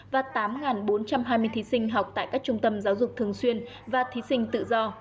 và tám bốn trăm hai mươi thí sinh học tại các trung tâm giáo dục thường xuyên và thí sinh tự do